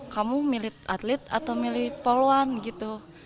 kamu milih atlet atau milih poluan gitu